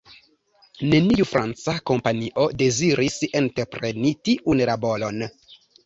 Neniu franca kompanio deziris entrepreni tiun laboron.